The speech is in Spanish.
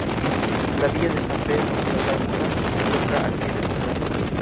La villa de San Pedro La Laguna se encuentra al pie del volcán.